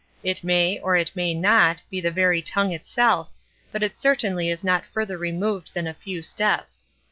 It may, or it may not, be the very tongue itself, but it certainly is not further removed than a few steps.